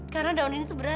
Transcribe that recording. karena daun ini tuh beracun